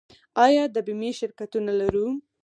آیا د بیمې شرکتونه لرو؟